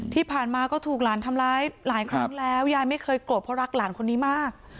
ที่ผ่านมาก็ถูกหลานทำร้ายหลายครั้งแล้วยายไม่เคยโกรธเพราะรักหลานคนนี้มาก